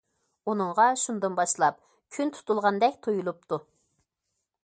ئۇنىڭغا شۇندىن باشلاپ كۈن تۇتۇلغاندەك تۇيۇلۇپتۇ.